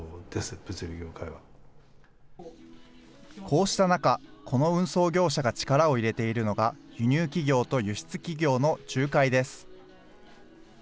こうした中、この運送業者が力を入れているのが輸入企業と輸出企業の仲介です。